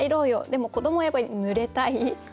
でも子どもはやっぱりぬれたい。